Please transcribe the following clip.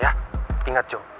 ya ingat joe